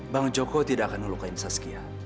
bang joko tidak akan nolokain sas gia